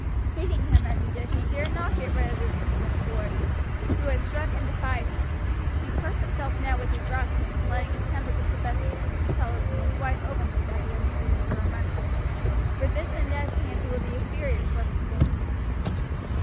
Hating him as he did, he dared not get rid of this insolent boy, who had struck and defied him. He cursed himself now with his rashness in letting his temper get the best of him and telling his wife openly that he had married her for her money; for this in Ned's hands would be a serious weapon against him.